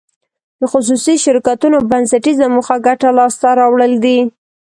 د خصوصي شرکتونو بنسټیزه موخه ګټه لاس ته راوړل دي.